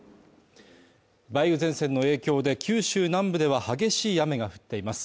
梅雨前線の影響で九州南部では激しい雨が降っています。